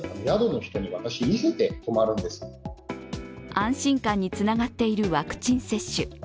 安心感につながっているワクチン接種。